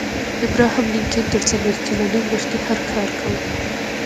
ابراهم لينکن تر څلوېښت کلنۍ مخکې هر کار کاوه.